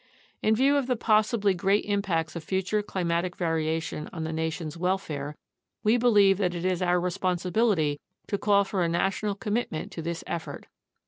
In view of the possibly great impacts of future climatic varia tions on the nation's welfare, we believe that it is our responsibility to call for a national commitment to this effort.